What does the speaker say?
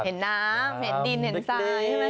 เห็นน้ำเห็นดินเห็นทรายใช่ไหม